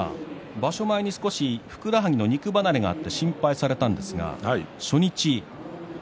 場所前に少しふくらはぎの肉離れがあって心配されたんですが